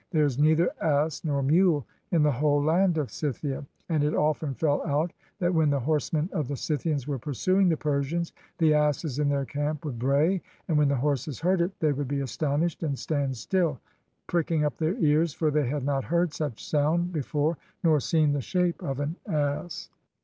There is neither ass nor mule in the whole land of Scythia; and it often fell out that when the horsemen of the Scythians were pursuing the Persians, the asses in their camp would bray; and when the horses heard it they would be astonished and stand still, prick ing up their ears, for they had not heard such sound before nor seen the shape of an ass.